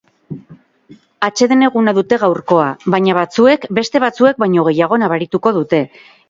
Atseden eguna dute gaurkoa, baina batzuek beste batzuek baino gehiago nabarituko dute.